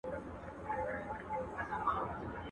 دټولو صفتونه څه پوره یې الطیفه